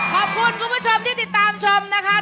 ขอบคุณคุณผู้ชมที่ติดตามชมนะครับ